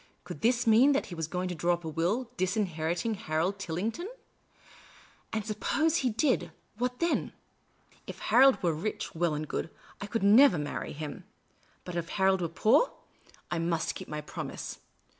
Could this mean that he was going to draw up a will, disinheriting Harold Tillington ? And suppose he did, what then ? My heart was in a tumult. If Harold were rich — well and good, I could never marry him. But, if Harold were poor — I must keep my promise.